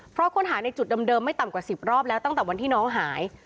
เพราะค้นหาในจุดเดิมไม่ต่ำกว่า๑๐รอบแล้วตั้งแต่วันที่น้องหาย